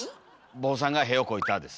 「坊さんが屁をこいた」です。